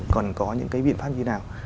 còn có những cái biện pháp như thế nào